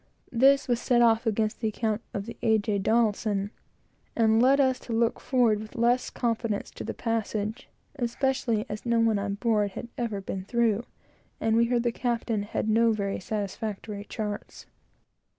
This was set off against the account of the A. J. Donelson, and led us to look forward with less confidence to the passage, especially as no one on board had ever been through, and the captain had no very perfect charts.